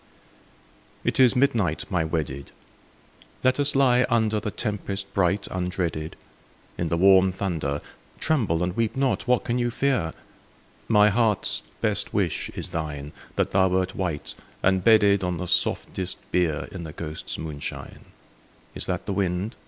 I. It is midnight, my wedded ; Let us lie under The tempest bright undreaded. In the warm thunder : (Tremble and weep not I What can you fear?) My heart's best wish is thine, — That thou wert white, and bedded On the softest bier. In the ghosts* moonshine. Is that the wind